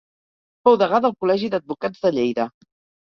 Fou degà del Col·legi d'Advocats de Lleida.